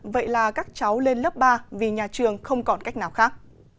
vậy là các cháu lên lớp ba vì nhà trường không còn cách nào khác